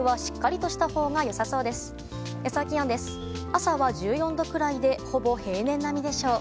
朝は１４度くらいでほぼ平年並みでしょう。